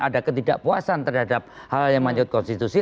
ada ketidakpuasan terhadap hal yang mencukut konstitusi